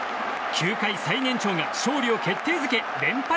球界最年長が勝利を決定づけ連敗